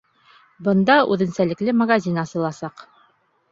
Бында үҙенсәлекле магазин асыласаҡ.